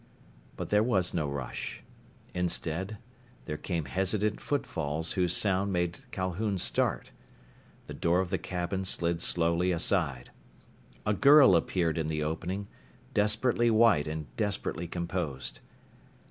But there was no rush. Instead, there came hesitant foot falls whose sound made Calhoun start. The door of the cabin slid slowly aside. A girl appeared in the opening, desperately white and desperately composed.